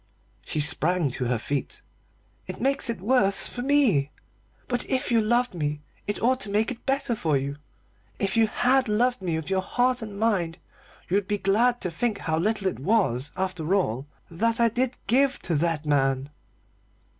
She sprang to her feet. "It makes it worse for me! But if you loved me it ought to make it better for you. If you had loved me with your heart and mind you would be glad to think how little it was, after all, that I did give to that man."